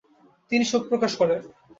তিনি শোক প্রকাশ করেন।